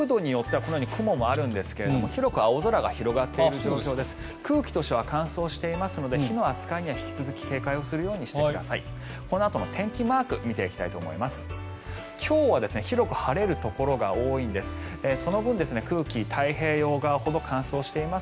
このあとの天気マーク見ていきたいと思います。